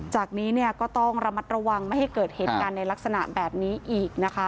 จากนี้เนี่ยก็ต้องระมัดระวังไม่ให้เกิดเหตุการณ์ในลักษณะแบบนี้อีกนะคะ